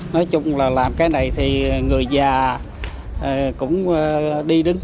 nói chung là làm cái này thì người già cũng đi đứng